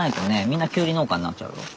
みんなきゅうり農家になっちゃうよ。